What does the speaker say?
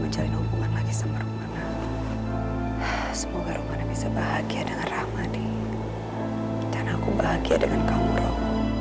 menjalin hubungan lagi sama rumana semoga rumana bisa bahagia dengan rahmadi dan aku bahagia dengan kamu rob